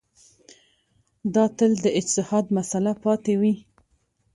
دا تل د اجتهاد مسأله پاتې وي.